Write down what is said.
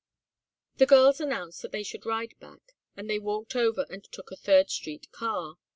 The girls announced that they should ride back, and they walked over and took a Third Street car.